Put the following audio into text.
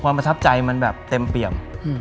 ความรับทรัพย์ใจมันแบบเต็มเปี่ยม